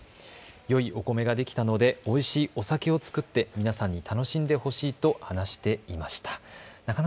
よいお米ができたのでおいしいお酒を造って皆さんに楽しんでほしいと話していました。